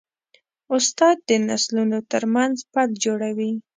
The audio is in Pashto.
استاد د نسلونو ترمنځ پل جوړوي.